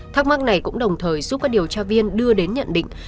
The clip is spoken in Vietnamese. thắc mắc này cũng đồng thời giúp các điều tra viên đưa đến nhận định